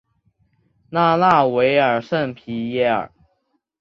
拉纳维尔圣皮耶尔。